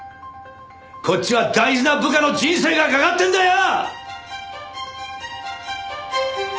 こっちは大事な部下の人生がかかってるんだよ！